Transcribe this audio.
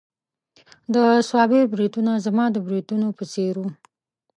د صابر بریتونه زما د بریتونو په څېر وو.